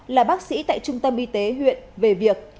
là bác sĩ tại trung tâm y tế huyện về việc